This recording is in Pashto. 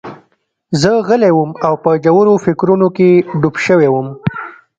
زه غلی وم او په ژورو فکرونو کې ډوب شوی وم